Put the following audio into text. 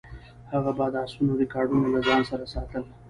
هغه به د اسونو ریکارډونه له ځان سره ساتل.